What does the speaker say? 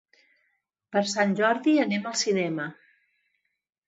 Per Sant Jordi anem al cinema.